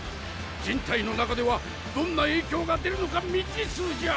人体の中ではどんな影響が出るのか未知数じゃ！